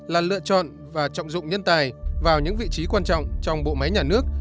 là lựa chọn và trọng dụng nhân tài vào những vị trí quan trọng trong bộ máy nhà nước